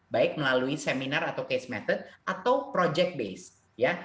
baik melalui seminar atau case method atau project based